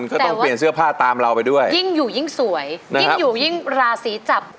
ก็ต้องเปลี่ยนเสื้อผ้าตามเราไปด้วยยิ่งอยู่ยิ่งสวยยิ่งอยู่ยิ่งราศีจับ